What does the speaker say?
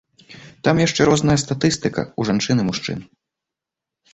Там яшчэ розная статыстыка ў жанчын і ў мужчын.